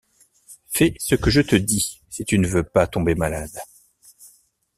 Fais ce que je te dis, si tu ne veux pas tomber malade.